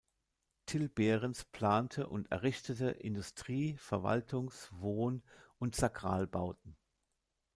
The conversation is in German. Till Behrens plante und errichtete Industrie-, Verwaltungs-, Wohn- und Sakralbauten.